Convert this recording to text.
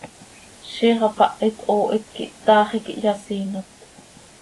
Ziix hapahit hoohit quih, taax iiqui hyasiiinot.